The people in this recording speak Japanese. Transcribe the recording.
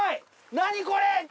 何これ！